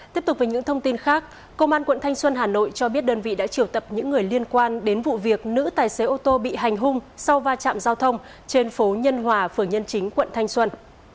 tiếp tục với những thông tin khác công an quận thanh xuân hà nội cho biết đơn vị đã triệu tập những người liên quan đến vụ việc nữ tài xế ô tô bị hành hung sau va chạm giao thông trên phố nhân hòa phường nhân chính quận thanh xuân